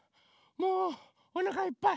もうおなかいっぱい。